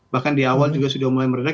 bahkan di awal juga sudah mulai meredah